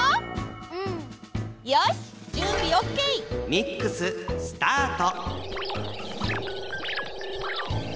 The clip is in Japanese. ミックススタート！